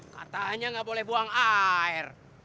katanya nggak boleh buang air